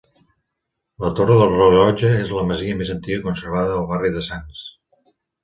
La Torre del Rellotge és la masia més antiga conservada al barri de Sants.